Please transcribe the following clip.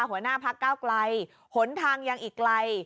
หัวหน้าพักก้าวไกลหนทางยังอีกไกล